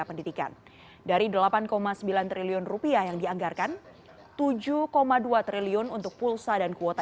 pendidikan dari delapan sembilan triliun rupiah yang dianggarkan tujuh dua triliun untuk pulsa dan kuota